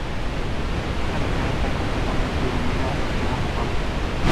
Esta misión esta completamente unida a "Segundo Sol".